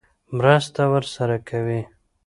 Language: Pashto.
مرسته ورسره کوي.